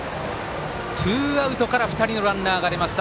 ツーアウトから２人のランナーが出ました。